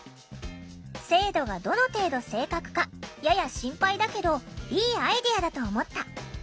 「精度がどの程度正確かやや心配だけどいいアイデアだと思った。